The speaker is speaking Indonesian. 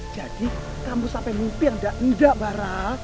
jadi kamu sampai mimpi yang tidak indah barat